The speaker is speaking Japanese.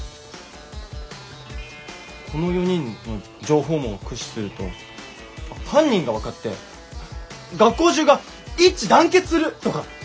この４人の情報網を駆使すると犯人が分かって学校中が一致団結するとか。